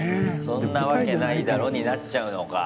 そんなわけないだろになっちゃうのか。